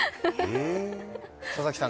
佐々木さん